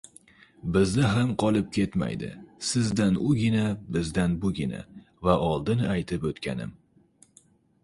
«bizda ham qolib ketmaydi», «sizdan ugina, bizdan bugina»... va oldin aytib o‘tganim